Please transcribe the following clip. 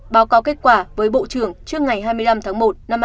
báo cáo kết quả với bộ trưởng trước ngày hai mươi năm tháng một năm hai nghìn hai mươi